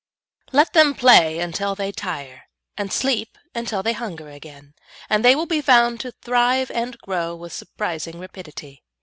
Let them play until they tire, and sleep until they hunger again, and they will be found to thrive and grow with surprising rapidity.